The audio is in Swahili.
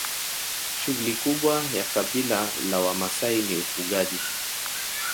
shughuli kubwa ya kabila la wamasai ni ufugaji